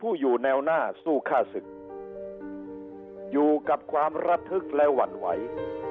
อยู่แนวหน้าสู้ฆ่าศึกอยู่กับความระทึกและหวั่นไหว